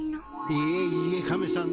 いえいえカメさん